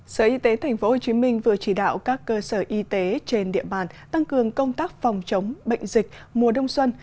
sở y tế tp hcm vừa chỉ đạo các cơ sở y tế trên địa bàn tăng cường công tác phòng chống bệnh dịch mùa đông xuân